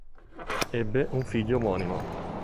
Ebbe un figlio omonimo.